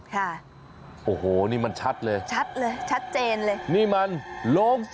ค่ะโอ้โหนี่มันชัดเลยชัดเลยชัดเจนเลยนี่มันโลง